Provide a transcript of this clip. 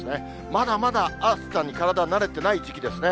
まだまだ暑さに体、慣れてない時期ですね。